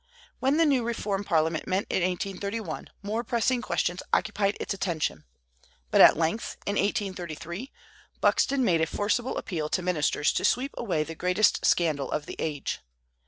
When the new reform Parliament met in 1831, more pressing questions occupied its attention; but at length, in 1833, Buxton made a forcible appeal to ministers to sweep away the greatest scandal of the age.